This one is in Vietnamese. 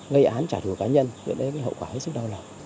gây án trả thù cá nhân đưa đến cái hậu quả rất là đau lòng